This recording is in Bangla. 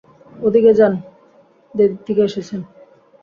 ওদিকে যান যেদিক থেকে এসেছেন!